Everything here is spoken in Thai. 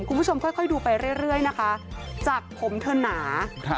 คุณผู้ชมค่อยค่อยดูไปเรื่อยเรื่อยนะคะจากผมเธอหนาครับ